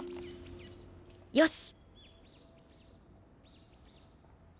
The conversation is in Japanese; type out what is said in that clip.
よし！